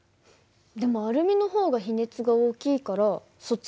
でもアルミの方が比熱が大きいからそっちでいいんじゃないの？